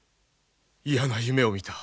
嫌な夢を見た。